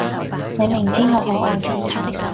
你明知我可愛啲